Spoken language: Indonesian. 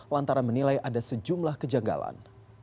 lantaran menilai ada sejumlah kejanggalan